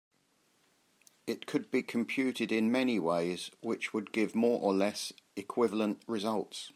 It could be computed in many ways which would give more or less equivalent results.